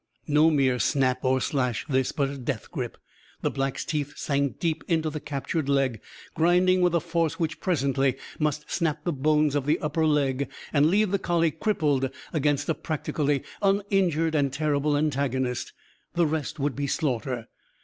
No mere snap or slash, this; but a death grip. The Black's teeth sank deep into the captured leg; grinding with a force which presently must snap the bones of the upper leg and leave the collie crippled against a practically uninjured and terrible antagonist. The rest would be slaughter.